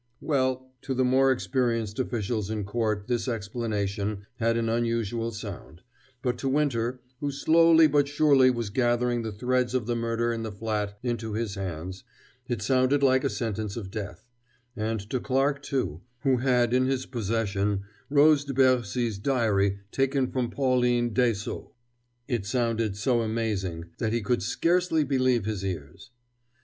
Well, to the more experienced officials in court this explanation had an unusual sound, but to Winter, who slowly but surely was gathering the threads of the murder in the flat into his hands, it sounded like a sentence of death; and to Clarke, too, who had in his possession Rose de Bercy's diary taken from Pauline Dessaulx, it sounded so amazing, that he could scarce believe his ears.